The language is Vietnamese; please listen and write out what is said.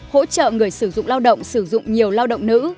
hỗ trợ người sử dụng lao động sử dụng nhiều lao động nữ